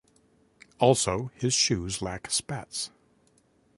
Also, his shoes lack spats.